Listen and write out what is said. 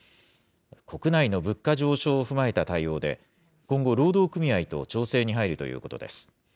国内の物価上昇を踏まえた対応で、今後、労働組合と調整に入るということです。